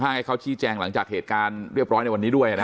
ให้เขาชี้แจงหลังจากเหตุการณ์เรียบร้อยในวันนี้ด้วย